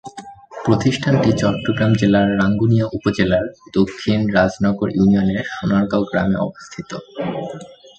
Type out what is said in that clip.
প্রতিষ্ঠানটি চট্টগ্রাম জেলার রাঙ্গুনিয়া উপজেলার দক্ষিণ রাজানগর ইউনিয়নের সোনারগাঁও গ্রামে অবস্থিত।